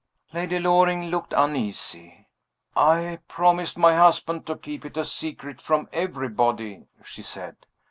Lady Loring looked uneasy. "I promised my husband to keep it a secret from everybody," she said.